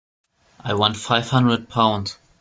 I want five hundred pound.